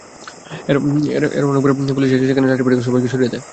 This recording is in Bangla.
এরও অনেক পরে পুলিশ এসে সেখানে লাঠিপেটা করে সবাইকে সরিয়ে দেয়।